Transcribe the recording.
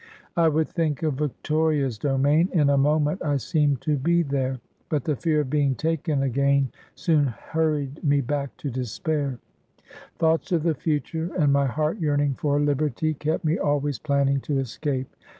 * I would think of Victoria's domain, In a moment I seemed to be there ; But the fear of being taken again, Soon hurried me back to despair/ Thoughts of the future, and my heart yearning for liberty, kept me always planning to escape.'